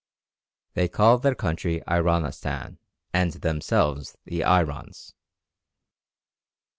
They call their country Ironistan, and themselves the Irons.